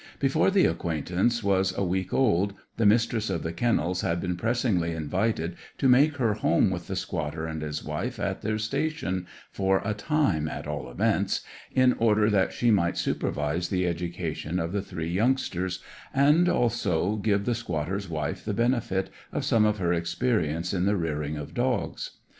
Before the acquaintance was a week old the Mistress of the Kennels had been pressingly invited to make her home with the squatter and his wife at their station, for a time at all events, in order that she might supervise the education of the three youngsters, and, also, give the squatter's wife the benefit of some of her experience in the rearing of dogs.